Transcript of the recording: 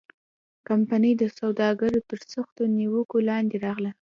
کمپنۍ د سوداګرو تر سختو نیوکو لاندې راغله.